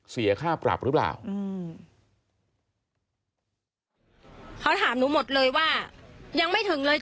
เสียค่าปรับหรือเปล่า